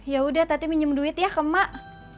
yaudah tati minjem duit ya ke mak